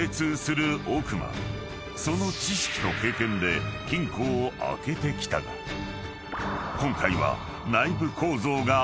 ［その知識と経験で金庫を開けてきたが今回は］